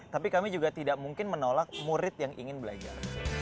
tapi kami juga tidak mungkin menolak murid yang ingin belajar